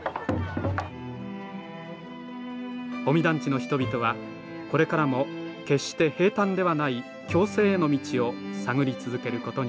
保見団地の人々はこれからも決して平たんではない共生への道を探り続けることになります